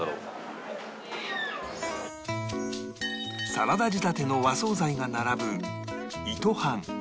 サラダ仕立ての和惣菜が並ぶ